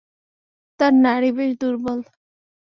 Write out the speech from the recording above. তার নাড়ি বেশ দুর্বল।